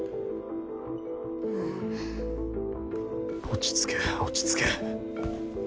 落ち着け落ち着け